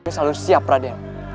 ini selalu siap raden